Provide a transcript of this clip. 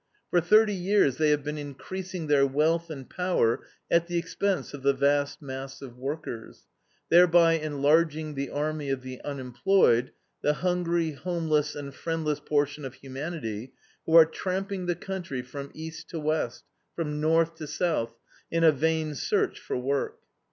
For thirty years they have been increasing their wealth and power at the expense of the vast mass of workers, thereby enlarging the army of the unemployed, the hungry, homeless, and friendless portion of humanity, who are tramping the country from east to west, from north to south, in a vain search for work.